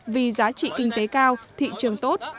vì giá trị kinh tế cao thị trường tốt